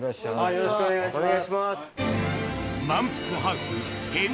よろしくお願いします。